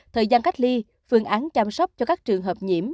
thời gian cách ly phương án chăm sóc cho các trường hợp nhiễm